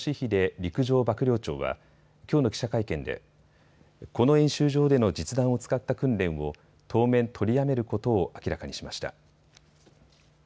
陸上幕僚長はきょうの記者会見でこの演習場での実弾を使った訓練を当面取りやめることを明らかにしました。